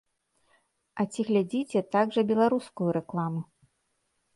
А ці глядзіце так жа беларускую рэкламу?